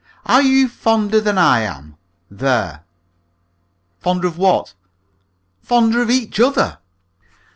Are you fonder than I am? There." "Fonder of what?" "Fonder of each other."